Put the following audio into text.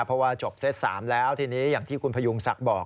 เพราะว่าจบเซต๓แล้วทีนี้อย่างที่คุณพยุงศักดิ์บอก